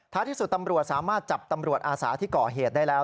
ที่สุดตำรวจสามารถจับตำรวจอาสาที่ก่อเหตุได้แล้ว